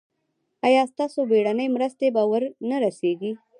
ایا ستاسو بیړنۍ مرسته به ور نه رسیږي؟